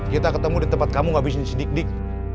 kita ketemu di tempat kamu ngabisin si digdig